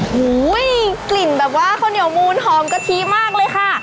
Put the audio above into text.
กลิ่นแบบว่าข้าวเหนียวมูลหอมกะทิมากเลยค่ะ